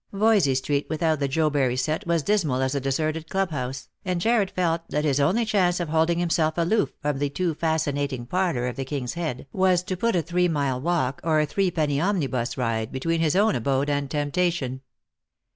Voysey street without the Jobury set was dismal as a deserted club house, and Jarred felt that his only chance of holding himself aloof from the too fascinat ing parlour of the King's Head was to put a three mile walk, or a threepenny omnibus ride between his own abode and tempta tion.